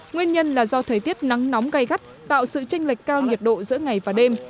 nguyên nhân là do thời tiết nắng nóng gai gắt tạo sự tranh lệch cao nhiệt độ giữa ngày và đêm